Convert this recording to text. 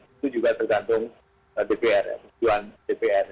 itu juga tergantung kebutuhan dpr